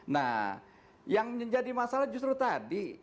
nah yang menjadi masalah justru tadi